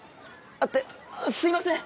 ああすいません！